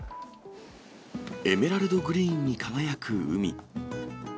エメラルドグリーンに輝く海。